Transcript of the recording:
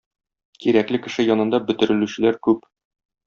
Кирәкле кеше янында бөтерелүчеләр күп.